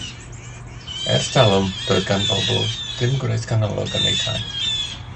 Ers talwm doedd gan bobl ddim gwres canolog yn eu tai.